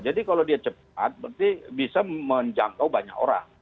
jadi kalau dia cepat berarti bisa menjangkau banyak orang